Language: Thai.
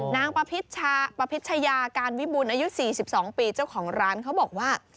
นางประพิชยาการวิบูรณอายุ๔๒ปีเจ้าของร้านเขาบอกว่า